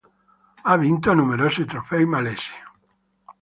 Ha vinto numerosi trofei malesi.